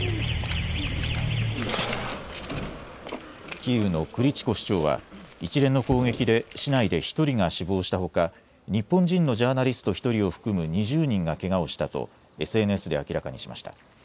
キーウのクリチコ市長は一連の攻撃で市内で１人が死亡したほか、日本人のジャーナリスト１人を含む２０人がけがをしたとＳＮＳで明らかにしました。